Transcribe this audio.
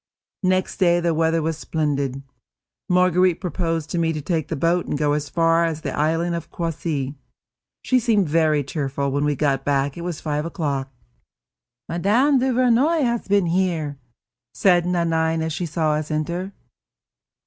Next day the weather was splendid. Marguerite proposed to me to take the boat and go as far as the island of Croissy. She seemed very cheerful; when we got back it was five o'clock. "Mme. Duvernoy has been here," said Nanine, as she saw us enter.